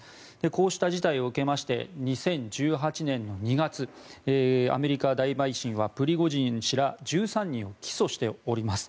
こうした事態を受けまして２０１８年２月アメリカ大陪審はプリゴジン氏ら１３人を起訴しております。